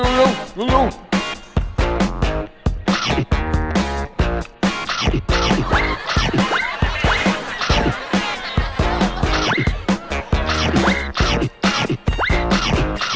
หอมมาก